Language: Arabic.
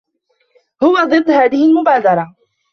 هو ضدّ هذه المبادرة.